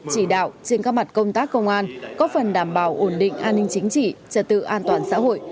chỉ đạo trên các mặt công tác công an có phần đảm bảo ổn định an ninh chính trị trật tự an toàn xã hội